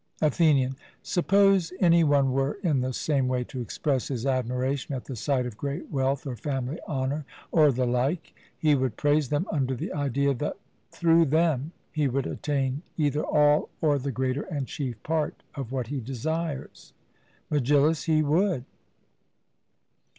ATHENIAN: Suppose any one were in the same way to express his admiration at the sight of great wealth or family honour, or the like, he would praise them under the idea that through them he would attain either all or the greater and chief part of what he desires. MEGILLUS: He would.